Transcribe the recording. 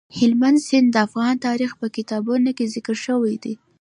هلمند سیند د افغان تاریخ په کتابونو کې ذکر شوی دي.